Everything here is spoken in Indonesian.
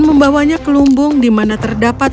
membawanya ke lumbung di mana terdapat